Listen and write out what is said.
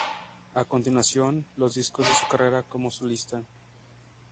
A continuación los discos de su carrera como solista.